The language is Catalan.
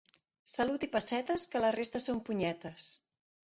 Salut i pessetes, que la resta són punyetes.